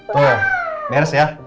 tuh meres ya